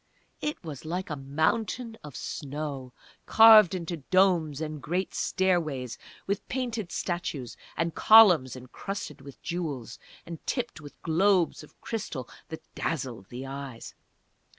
It was like a mountain of snow, carved into domes and great stairways, with painted statues, and columns encrusted with jewels, and tipped with globes of crystal that dazzled the eyes.